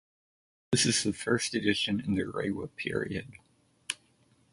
This is the first edition in the Reiwa period.